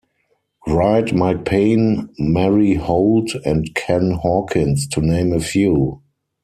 Wright, Mike Payne, Mary Holt and Ken Hawkins to name a few.